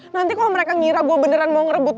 nanti kalau mereka ngira gue beneran mau ngerebut